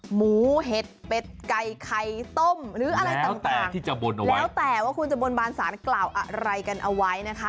หมูเห็ดเบ็ดไก่ไข่ต้มหรืออะไรต่างแล้วแต่ว่าคุณจบนบานสารกล่าวอะไรกันเอาไว้นะคะ